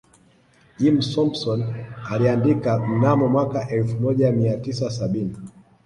Jim thompson aliandika mnamo mwaka elfu moja mia tisa sabini